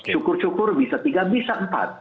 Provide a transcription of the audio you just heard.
cukur cukur bisa tiga bisa empat